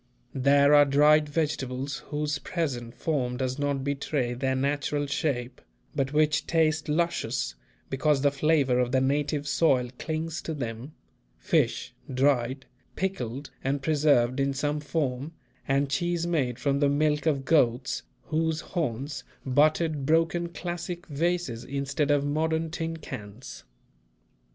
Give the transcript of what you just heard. There are dried vegetables whose present form does not betray their natural shape, but which taste luscious, because the flavour of the native soil clings to them; fish, dried, pickled and preserved in some form, and cheese made from the milk of goats whose horns butted broken classic vases instead of modern tin cans.